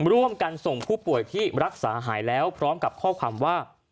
ร่วมกันส่งผู้ป่วยที่รักษาหายแล้วพร้อมกับข้อความว่า